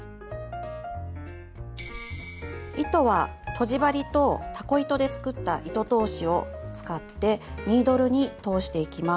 糸はとじ針とたこ糸で作った糸通しを使ってニードルに通していきます。